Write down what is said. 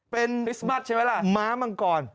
เป็นม้ามังกร